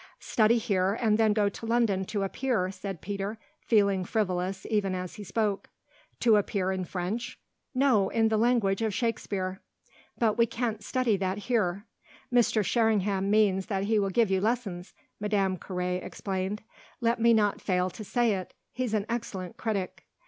"Study here and then go to London to appear," said Peter, feeling frivolous even as he spoke. "To appear in French?" "No, in the language of Shakespeare." "But we can't study that here." "Mr. Sherringham means that he will give you lessons," Madame Carré explained. "Let me not fail to say it he's an excellent critic."